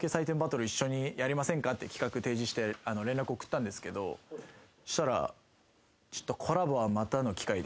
企画提示して連絡送ったんですけどしたら。